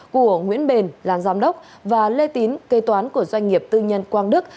của nguyễn bền làng giám đốc và lê tín cây toán của doanh nghiệp tư nhân quang đức